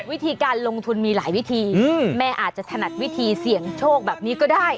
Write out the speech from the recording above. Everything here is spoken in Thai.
วิธีการลงทุนมีหลายวิธีแม่อาจจะถนัดวิธีเสี่ยงโชคแบบนี้ก็ได้